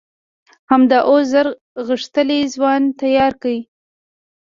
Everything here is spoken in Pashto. همدا اوس زر غښتلي ځوانان تيار کئ!